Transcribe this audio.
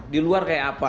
di luar kayak apa